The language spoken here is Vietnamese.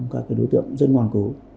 các cái đối tượng rất ngoan cố